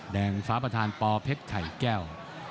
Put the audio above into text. แดงฝาประธานปเผ็ดไข่แก้ว